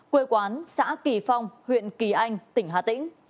quê quán xã kỳ phong huyện kỳ anh tỉnh hà tĩnh